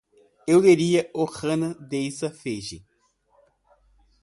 Eu leria Ohana da Isa Feij